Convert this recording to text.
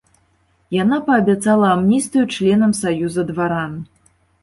Яна паабяцала амністыю членам саюза дваран.